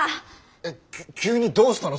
えきゅ急にどうしたの？